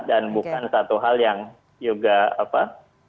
dan bukan satu hal yang juga apa